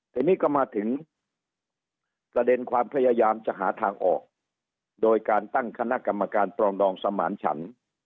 ทีนี้ก็มาถึงประเด็นความพยายามจะหาทางออกโดยการตั้งคณะกรรมการปรองดองสมานฉัน